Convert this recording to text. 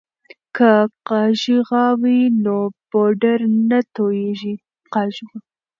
که قاشغه وي نو پوډر نه توییږي.